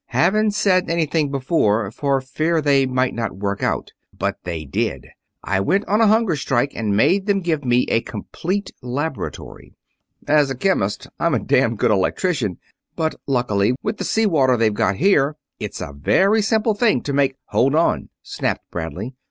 Haven't said anything before, for fear things might not work out, but they did. I went on a hunger strike and made them give me a complete laboratory. As a chemist I'm a damn good electrician; but luckily, with the sea water they've got here, it's a very simple thing to make...." "Hold on!" snapped Bradley.